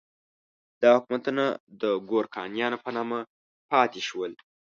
دا حکومتونه د ګورکانیانو په نامه پاتې شول.